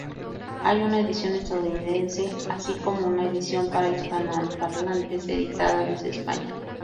Hay una edición estadounidense así como una edición para hispanoparlantes editada desde España.